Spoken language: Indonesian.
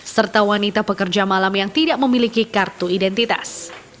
serta wanita pekerja malam yang tidak memiliki kartu identitas